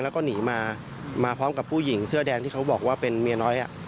แล้วก็หนีมามาพร้อมกับผู้หญิงเสื้อแดงที่เขาบอกว่าเป็นเมียน้อย